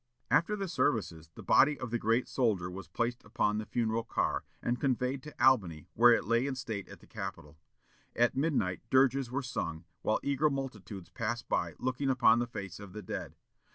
After the services, the body of the great soldier was placed upon the funeral car, and conveyed to Albany, where it lay in state at the Capitol. At midnight dirges were sung, while eager multitudes passed by looking upon the face of the dead.